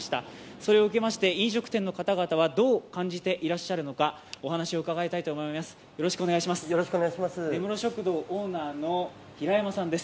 それを受けまして飲食店の方々はどう感じていらっしゃるのかお話を伺いたいと思います。